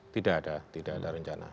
tidak ada tidak ada rencana